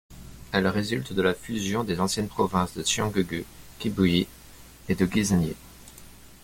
Elle résulte de la fusion des anciennes provinces de Cyangugu, Kibuye et de Gisenyi.